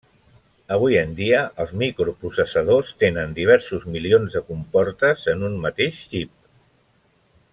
Avui en dia, els microprocessadors tenen diversos milions de comportes en un mateix xip.